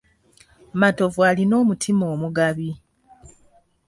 Matovu alina omutima omugabi.